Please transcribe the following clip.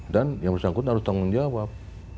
dan yang bersangkutan harus tanggung jawab